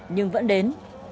nhưng vẫn đến